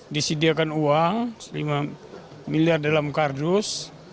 disediakan uang lima miliar dalam kardus